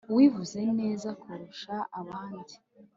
uwivuze neza kurusha abandi